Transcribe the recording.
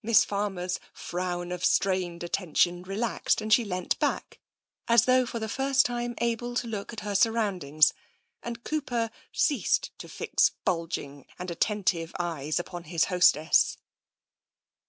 Miss Farmer's frown of strained attention re laxed, and she leant back, as though for the first time able to look at her surroundings, and Cooper ceased to fix bulging and attentive eyes upon his hostess.